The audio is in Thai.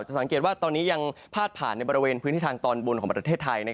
สังเกตว่าตอนนี้ยังพาดผ่านในบริเวณพื้นที่ทางตอนบนของประเทศไทย